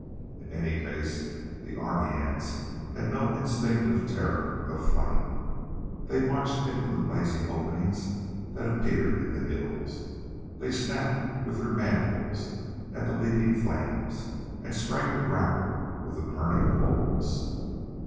In any case the army ants had no instinctive terror of flame. They marched into the blazing openings that appeared in the hills. They snapped with their mandibles at the leaping flames, and sprang to grapple with the burning coals.